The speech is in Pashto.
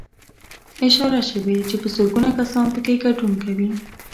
اشاره شوې چې په زرګونه کسان پکې ګډون کوي